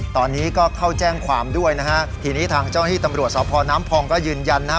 ตอนนี้ก็เข้าแจ้งความด้วยนะฮะทีนี้ทางเจ้าหน้าที่ตำรวจสพน้ำพองก็ยืนยันนะฮะ